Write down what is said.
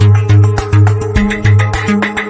วิ่งเร็วมากครับ